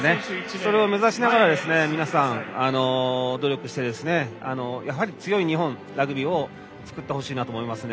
それを目指しながら皆さん、努力して強い日本ラグビーを作ってほしいと思います。